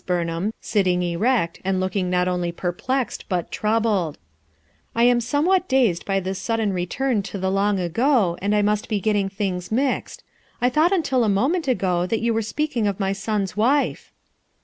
Burnham, hitting erect and looking not only jierpfrxcil but troubled. u l am somewhat *lized by thi* Hid den return to the long ago, and I mu»t be getting LOOKING BACKWARD 199 things mixed. I thought until a moment ago that you were speaking of my son's wife."